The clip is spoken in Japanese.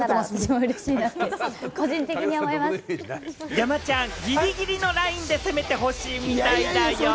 山ちゃん、ギリギリのラインで攻めてほしいみたいだよ。